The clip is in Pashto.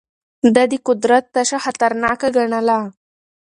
ده د قدرت تشه خطرناکه ګڼله.